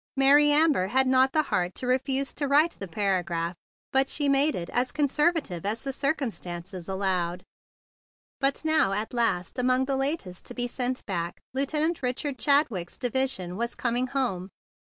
Mary Amber had not the heart to refuse to write the para¬ graph, but she made it as conservative as the circumstances allowed. But now, at last, among the latest to be sent back, Lieutenant Richard Chadwick's division was coming home!